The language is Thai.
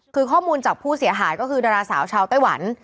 คือข้อมูลจากผู้เสียหายก็คือดาราสาวชาวไต้หวัน